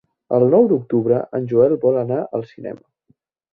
El nou d'octubre en Joel vol anar al cinema.